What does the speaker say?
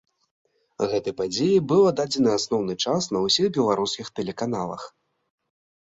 Гэтай падзеі быў аддадзены асноўны час на ўсіх беларускіх тэлеканалах.